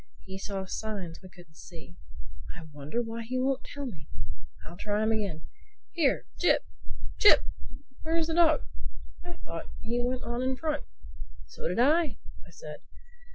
He saw signs we couldn't see—I wonder why he won't tell me. I'll try him again. Here, Jip! Jip!—Where is the dog? I thought he went on in front." "So did I," I said.